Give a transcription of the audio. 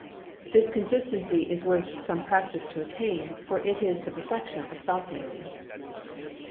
This consistency is worth some practice to attain, for it is the perfection of sauce making.